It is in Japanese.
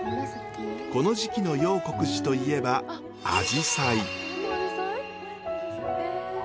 この時期の楊谷寺といえばアジサイ。